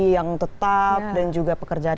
yang tetap dan juga pekerjaan